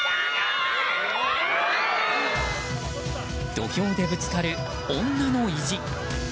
土俵でぶつかる女の意地。